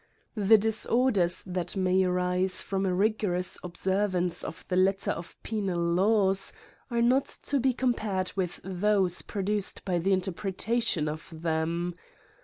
• The disorders that may arise from a rigorous observance of the letter of penal laws are not to be compared with those produced by the inter pretation of them.